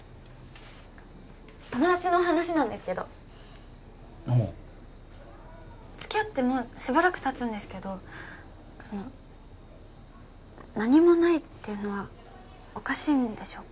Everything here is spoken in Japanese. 友達の話なんですけどおうつきあってもうしばらくたつんですけどその何もないっていうのはおかしいんでしょうか？